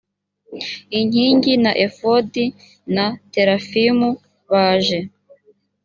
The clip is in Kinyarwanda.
inkingi na efodi na terafimu baje